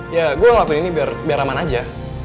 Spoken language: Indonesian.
ya gue ngelakuin ini biar aman aja